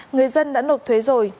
người dân đã nộp thuế rồi